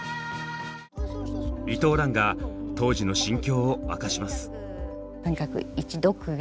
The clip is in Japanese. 伊藤蘭が当時の心境を明かします。